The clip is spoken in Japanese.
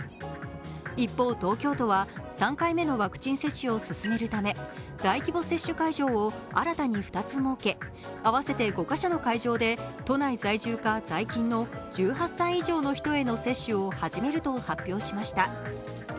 一方、東京都は３回目のワクチン接種を進めるため大規模接種会場を新たに２つ設け合わせて５カ所の会場で都内在住か在勤の１８歳以上への接種を始めると発表しました。